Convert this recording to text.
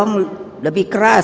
coba lebih keras